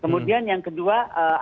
kemudian yang kedua eee